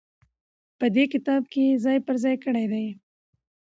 په دې کتاب کې يې ځاى په ځاى کړي دي.